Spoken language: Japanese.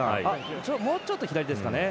もうちょっと左ですかね。